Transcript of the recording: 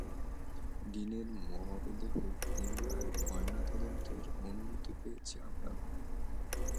ডিনের মরদেহ পুনরায় ময়নাতদন্তের অনুমতি পেয়েছি আমরা।